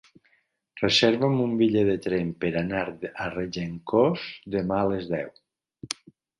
Reserva'm un bitllet de tren per anar a Regencós demà a les deu.